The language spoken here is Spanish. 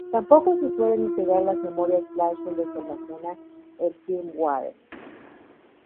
Tampoco se suelen integrar las memorias flash donde se almacena el firmware.